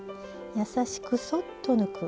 優しくそっと抜く。